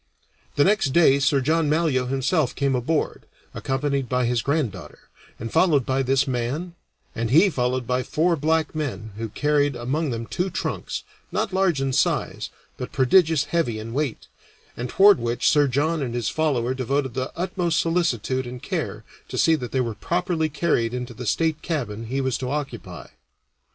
The next day Sir John Malyoe himself came aboard, accompanied by his granddaughter, and followed by this man, and he followed again by four black men, who carried among them two trunks, not large in size, but prodigious heavy in weight, and toward which Sir John and his follower devoted the utmost solicitude and care to see that they were properly carried into the state cabin he was to occupy.